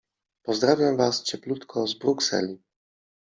Pozdrawiam was cieplutko z Brukseli.